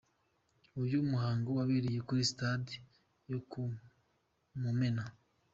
Uyu muhango wabereye kuri stade yo ku Mumena.